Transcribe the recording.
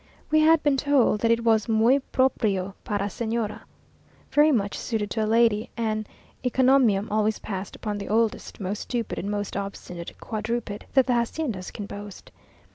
We had been told that it was "muy proprio para Señora," very much suited to a lady, an encomium always passed upon the oldest, most stupid, and most obstinate quadruped that the haciendas can boast.